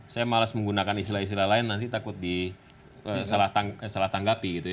saya malas menggunakan istilah istilah lain nanti takut disalah tanggapi gitu ya